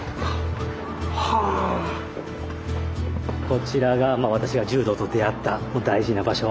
こちらがまあ私が柔道と出会った大事な場所。